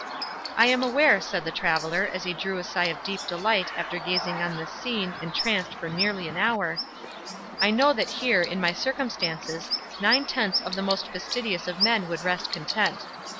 "I am aware," said the traveller, as he drew a sigh of deep delight after gazing on this scene, entranced, for nearly an hour, "I know that here, in my circumstances, nine tenths of the most fastidious of men would rest content.